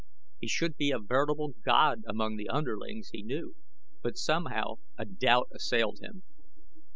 He should be a veritable god among the underlings, he knew; but somehow a doubt assailed him.